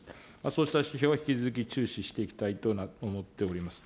そうした指標は引き続き注視していきたいと思っております。